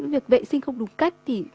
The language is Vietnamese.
việc vệ sinh không đúng cách